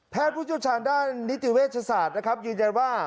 ผู้เชี่ยวชาญด้านนิติเวชศาสตร์นะครับยืนยันว่า